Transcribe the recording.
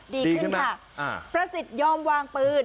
ดีขึ้นไหมดีขึ้นค่ะประสิทธิ์ยอมวางปืน